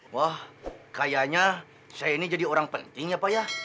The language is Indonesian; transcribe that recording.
wah kayaknya saya ini jadi orang penting ya pak ya